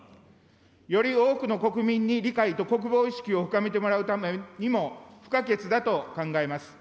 より多くの国民に理解と国防意識を深めてもらうためにも、不可欠だと考えます。